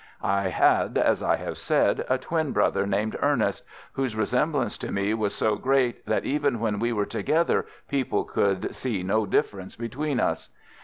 "I had, as I have said, a twin brother named Ernest, whose resemblance to me was so great that even when we were together people could see no difference between us.